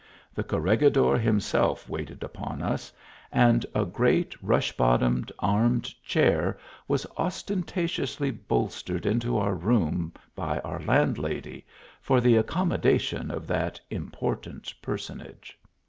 The Corregidor himself waited upon us, and a great rush bottomed armed chair was ostentatiously bol stered into our room by our landlady, for the accom modation of that important personage.